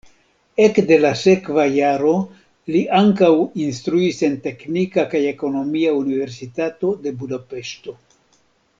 Ekde la sekva jaro li ankaŭ instruis en Teknika kaj Ekonomia Universitato de Budapeŝto.